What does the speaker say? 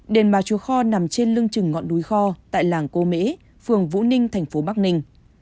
đền bà chùa kho nằm trên lưng trừng ngọn núi kho tại làng cô mễ phường vũ ninh thành phố bắc ninh